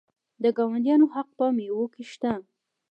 د ګاونډیانو حق په میوو کې شته.